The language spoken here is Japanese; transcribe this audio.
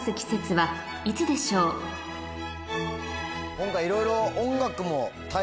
今回いろいろ。